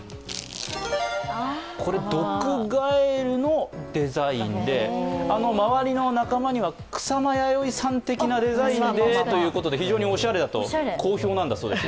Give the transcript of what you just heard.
これ、毒カエルのデザインで、周りの仲間には草間彌生さん的なデザインでということで、非常におしゃれで好評なんだそうです。